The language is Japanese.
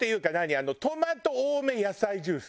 あのトマト多め野菜ジュース。